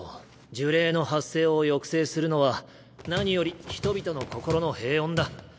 呪霊の発生を抑制するのは何より人々の心の平穏だ。